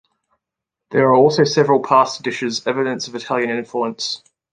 There are also several pasta dishes, evidence of Italian influence.